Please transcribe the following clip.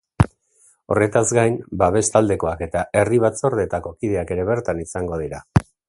Horretaz gain, babes taldekoak eta herri batzordeetako kideak ere bertan izango dira.